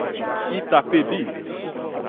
Itapebi